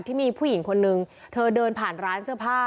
ที่มีผู้หญิงคนนึงเธอเดินผ่านร้านเสื้อผ้า